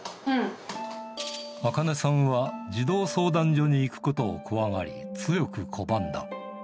アカネさんは児童相談所に行くことを怖がり、強く拒んだ。